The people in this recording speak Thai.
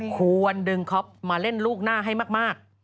ควรดึงคอปมาเล่นลูกหน้าให้มาก